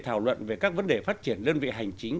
thảo luận về các vấn đề phát triển đơn vị hành chính